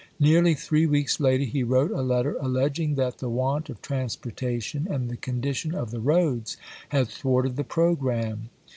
Nearly three weeks later, he wrote a letter alleging that "the want of transportation and the condition of the roads" had thwarted the programme.